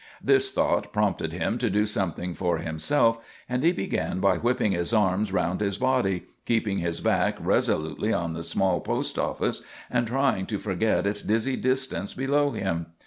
This thought prompted him to do something for himself, and he began by whipping his arms around his body, keeping his back resolutely on the small post office, and trying to forget its dizzy distance below him.